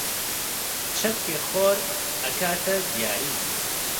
چەپکێ خۆر ئەکاتە دیاریم!